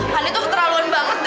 hany tuh keterlaluan banget deh